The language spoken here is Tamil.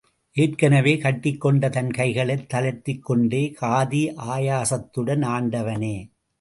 ஏற்கெனவே கட்டிக் கொண்ட தன் கைகளைத் தளர்த்திக் கொண்டே காதி ஆயாசத்துடன், ஆண்டவனே!